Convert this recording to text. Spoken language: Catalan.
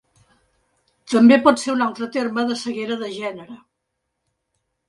També pot ser un altre terme de ceguera de gènere.